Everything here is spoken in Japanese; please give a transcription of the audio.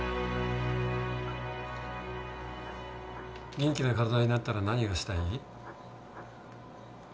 元気な体になったら何がしたい？